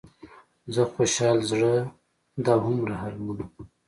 زه خوشحال د زړه دا هومره المونه.